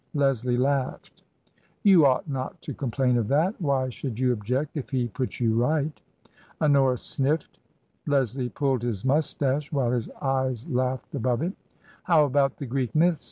Leslie laughed. " You ought not to complain of that. Why should you object if he put you right ?" Honora sniffed. Leslie pulled his moustache, while his eyes laughed above it " How about the Greek myths